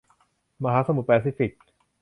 มหาสมุทรแปซิฟิก